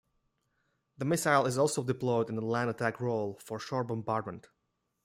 The missile is also deployed in the land attack role for shore bombardment.